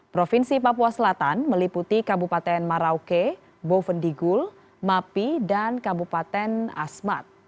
provinsi papua selatan meliputi kabupaten marauke bovendigul mapi dan kabupaten asmat